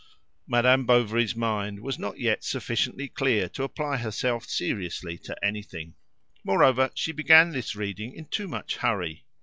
Madame Bovary's mind was not yet sufficiently clear to apply herself seriously to anything; moreover, she began this reading in too much hurry.